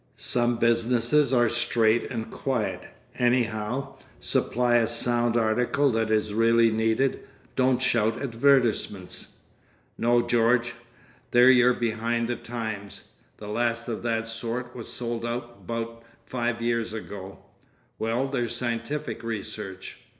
"Some businesses are straight and quiet, anyhow; supply a sound article that is really needed, don't shout advertisements." "No, George. There you're behind the times. The last of that sort was sold up 'bout five years ago." "Well, there's scientific research."